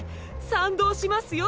賛同しますよ